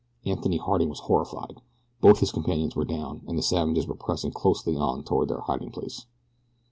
Anthony Harding was horrified. Both his companions were down, and the savages were pressing closely on toward their hiding place.